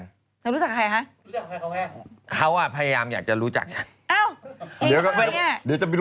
แต่รู้จักใครคะเขาอะพยายามอยากจะรู้จักฉัน